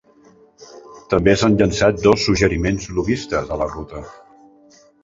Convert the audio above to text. També s"han llançat dos suggeriments lobbistes a la ruta.